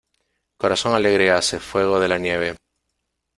Corazón alegre hace fuego de la nieve.